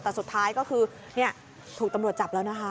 แต่สุดท้ายก็คือถูกตำรวจจับแล้วนะคะ